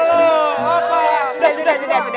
sudah sudah sudah